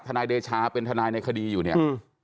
นายเดชาเป็นทนายในคดีอยู่เนี่ย